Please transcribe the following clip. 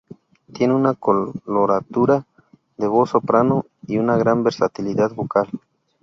Tiene una coloratura de voz soprano, y una gran versatilidad vocal.